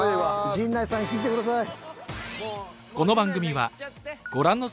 陣内さん引いてください。